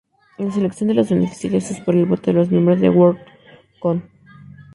La selección de los beneficiarios es por el voto de los miembros Worldcon.